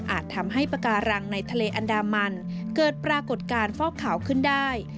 ทำให้ปากการังในทะเลอันดามันเกิดปรากฏการณ์ฟอกขาวขึ้นได้